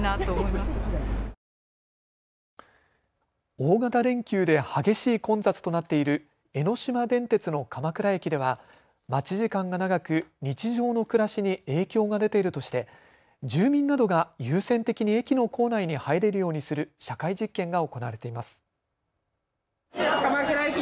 大型連休で激しい混雑となっている江ノ島電鉄の鎌倉駅では待ち時間が長く日常の暮らしに影響が出ているとして住民などが優先的に駅の構内に入れるようにする社会実験が行われています。